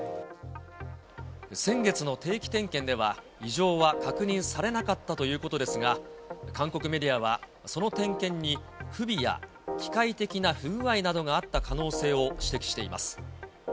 先月の定期点検では、異常は確認されなかったということですが、韓国メディアは、その点検に不備や機械的な不具合などがあった可能性を指摘しています。